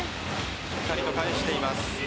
しっかりと返しています。